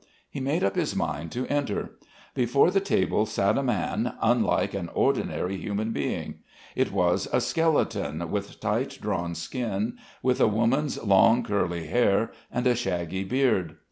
He made up his mind to enter. Before the table sat a man, unlike an ordinary human being. It was a skeleton, with tight drawn skin, with a woman's long curly hair, and a shaggy beard.